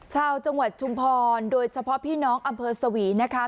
ชาวจังหวัดชุมพรโดยเฉพาะพี่น้องอำเภอสวีนะคะ